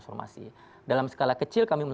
secularisasi dengan split hoyu adalah keinginan mereka